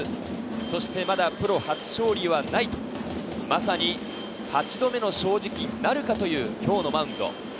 そしてまだプロ初勝利はないと、まさに８度目の正直なるかという今日のマウンド。